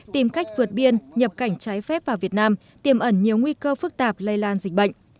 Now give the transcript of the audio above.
tìm cách vượt biên nhập cảnh trái phép vào việt nam tiềm ẩn nhiều nguy cơ phức tạp lây lan dịch bệnh